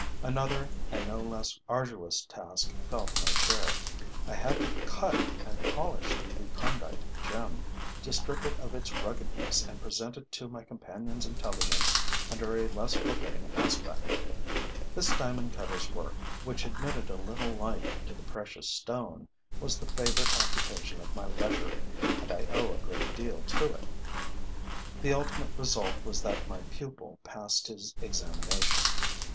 Another and no less arduous task fell to my share: I had to cut and polish the recondite gem, to strip it of its ruggedness and present it to my companion's intelligence under a less forbidding aspect. This diamond cutter's work, which admitted a little light into the precious stone, was the favorite occupation of my leisure; and I owe a great deal to it. The ultimate result was that my pupil passed his examination.